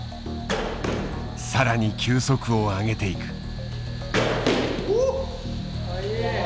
更に球速を上げていく。